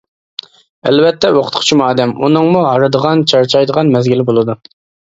ئەلۋەتتە، ئوقۇتقۇچىمۇ ئادەم، ئۇنىڭمۇ ھارىدىغان، چارچايدىغان مەزگىلى بولىدۇ.